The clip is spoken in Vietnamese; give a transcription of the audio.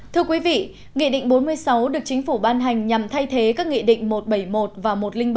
thưa quý vị nghị định bốn mươi sáu được chính phủ ban hành nhằm thay thế các nghị định một trăm bảy mươi một và một trăm linh bảy